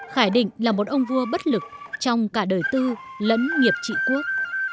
khải định là một ông vua bất lực trong cả đời tư lẫn nghiệp trị quốc